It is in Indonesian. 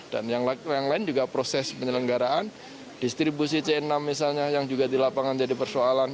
dan yang lain juga proses penyelenggaraan distribusi cn enam misalnya yang juga di lapangan jadi persoalan